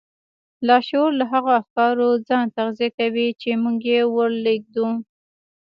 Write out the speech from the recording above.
لاشعور له هغو افکارو ځان تغذيه کوي چې موږ يې ور لېږدوو.